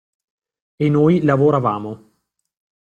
E noi lavoravamo.